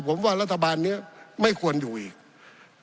ผมว่ารัฐบาลนี้ไม่ควรอยู่อีก